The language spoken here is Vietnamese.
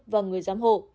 và người giám hộ